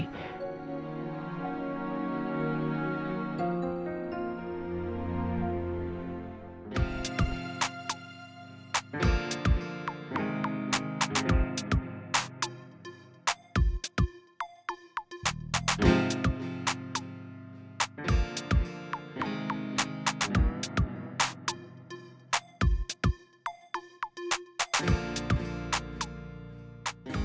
aku mau ke kantor